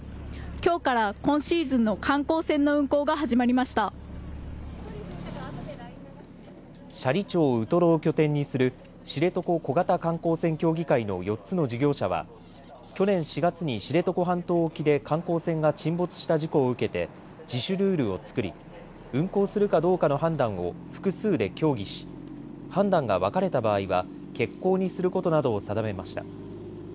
きょうから今シーズンの観光船の運航が始ま斜里町ウトロを拠点にする知床小型観光船協議会の４つの事業者は去年４月に知床半島沖で観光船が沈没した事故を受けて自主ルールを作り運航するかどうかの判断を複数で協議し判断が分かれた場合は欠航にすることなどを定めました。